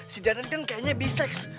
si darren kan kayaknya biseks